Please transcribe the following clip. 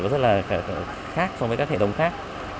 rất khác so với các hệ thống khác